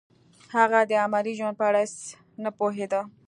هغه د عملي ژوند په اړه هیڅ نه پوهېده